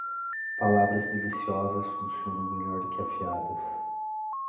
Palavras deliciosas funcionam melhor que afiadas.